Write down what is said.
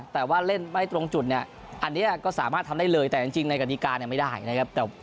แต่ว่าเล่นไม่ตรงจุดเนี่ยอันนี้ก็สามารถทำได้เลยแต่จริงในกฎิกาเนี่ยไม่ได้นะครับ